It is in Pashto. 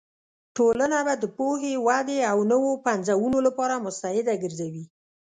ټولنه به د پوهې، ودې او نوو پنځونو لپاره مستعده ګرځوې.